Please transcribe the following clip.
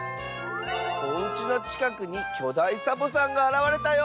「おうちのちかくにきょだいサボさんがあらわれたよ！」